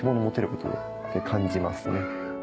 って感じますね。